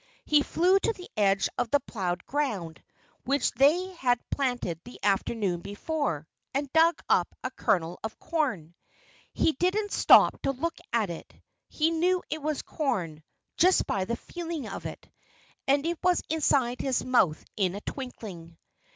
He flew to the edge of the ploughed ground, which they had planted the afternoon before, and dug up a kernel of corn. He didn't stop to look at it. He knew it was corn just by the feeling of it. And it was inside his mouth in a twinkling.